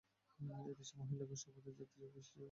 এই দেশে মহিলাগণ সমুদয় জাতীয় কৃষ্টির প্রতিনিধিস্বরূপ।